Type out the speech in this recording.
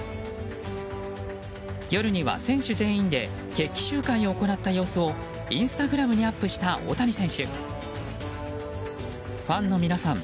夜には選手全員で決起集会を行った様子をインスタグラムにアップした大谷選手。